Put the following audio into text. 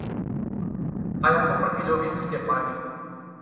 Ayahku pergi joging setiap pagi.